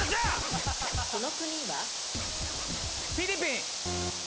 この国は？フィリピン！